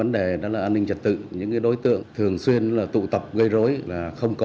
đang xảy ra